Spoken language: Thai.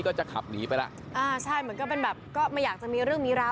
ก็จะขับหนีไปแล้วอ่าใช่เหมือนก็เป็นแบบก็ไม่อยากจะมีเรื่องมีราว